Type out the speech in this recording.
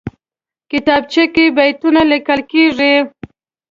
کتابچه کې بیتونه لیکل کېږي